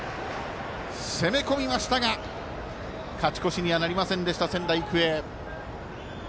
攻め込みましたが勝ち越しにはなりませんでした仙台育英。